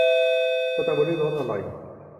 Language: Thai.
สตรอเบอร์รี่รสอร่อย !